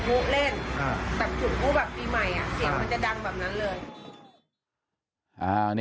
แต่จุดสูบแบบภีร์ใหม่เสียงมันจะดังแบบนั้นเลย